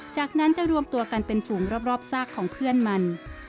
จากนั้นจะรวมตัวกันเป็นฝูงรอบซากของเพื่อนมัน